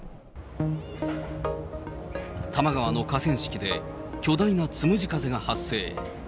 多摩川の河川敷で、巨大なつむじ風が発生。